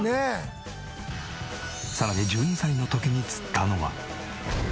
さらに１２歳の時に釣ったのは。